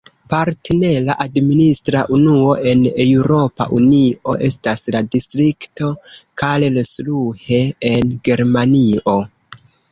Partnera administra unuo en Eŭropa Unio estas la distrikto Karlsruhe en Germanio.